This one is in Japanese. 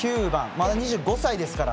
まだ２５歳ですから。